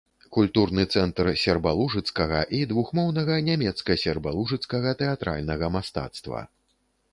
Культурны цэнтр сербалужыцкага і двухмоўнага нямецка-сербалужыцкага тэатральнага мастацтва.